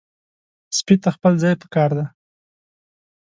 سپي ته خپل ځای پکار دی.